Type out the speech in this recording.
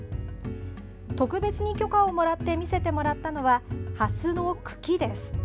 特別に許可をもらって見せてもらったのはハスの茎です。